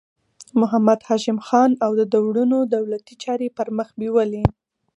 محمد هاشم خان او د ده وروڼو دولتي چارې پر مخ بیولې.